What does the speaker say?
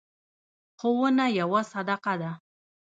ښوونه یوه صدقه ده.